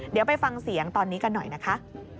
เดี๋ยวไปฟังเสียงตอนนี้กันหน่อยนะคะ